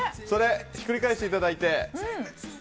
ひっくり返していただいて。